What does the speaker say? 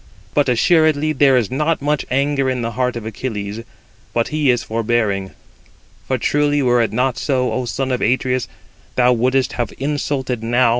But assuredly there is not much anger in the heart of Achilles; but he is forbearing; for truly, were it not so, Ο son of Atreus, thou wouldest have insulted now for the last time."